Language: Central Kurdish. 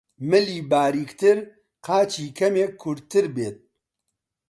ملی باریکتر، قاچی کەمێک کورتتر بێت